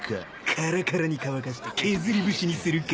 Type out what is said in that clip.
カラカラに乾かして削り節にするか。